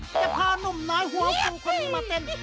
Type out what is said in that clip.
จะพอนุ่มน้อยหัวสูงคนมาเต็ม